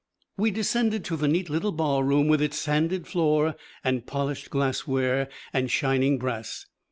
We descended to the neat little barroom with its sanded floor and polished glassware and shining brass.